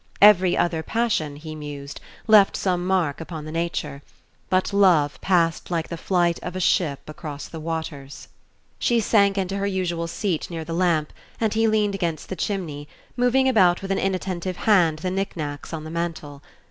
Every other passion, he mused, left some mark upon the nature; but love passed like the flight of a ship across the waters. She sank into her usual seat near the lamp, and he leaned against the chimney, moving about with an inattentive hand the knick knacks on the mantel.